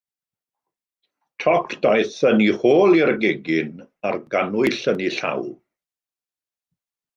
Toc, daeth yn ei hôl i'r gegin, a'r gannwyll yn ei llaw.